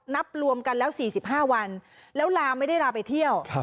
นับรวมกันแล้ว๔๕วันแล้วลาไม่ได้ลาไปเที่ยว